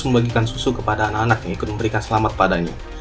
membagikan susu kepada anak anak yang ikut memberikan selamat padanya